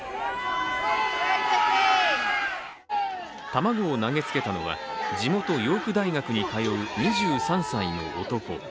卵を投げつけたのは地元・ヨーク大学に通う２３歳の男。